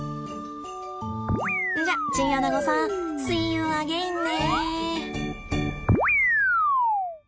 じゃあチンアナゴさんスイーユーアゲインね。